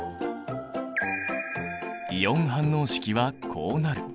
イオン反応式はこうなる。